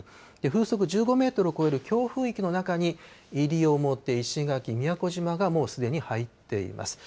風速１５メートルを超える強風域の中に西表、石垣、宮古島がもうすでに入っています。